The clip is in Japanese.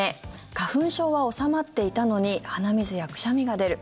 花粉症は収まっていたのに鼻水やくしゃみが出る。